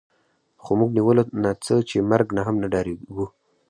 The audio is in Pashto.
خو موږ نیولو نه څه چې مرګ نه هم نه ډارېږو